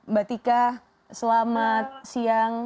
mbak tika selamat siang